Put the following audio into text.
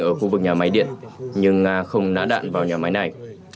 ở khu vực nhà máy điện nhưng nga không ná đạn vào nhà máy này